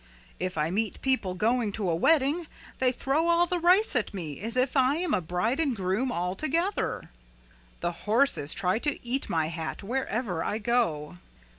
If I meet people going to a wedding they throw all the rice at me as if I am a bride and a groom all together. "The horses try to eat my hat wherever I go.